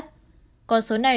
còn số này đơn giản như sau